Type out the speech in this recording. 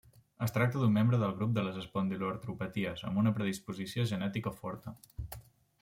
Es tracta d'un membre del grup de les espondiloartropaties amb una predisposició genètica forta.